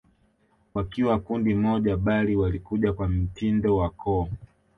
Wakiwa kundi moja bali walikuja kwa mtindo wa koo